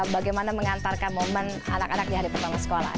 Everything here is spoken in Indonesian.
bagaimana mengantarkan momen anak anak di hari pertama sekolah